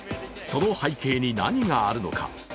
その背景に何があるのか。